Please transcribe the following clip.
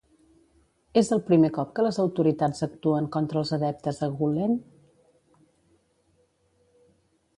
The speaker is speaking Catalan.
És el primer cop que les autoritats actuen contra els adeptes a Gülen?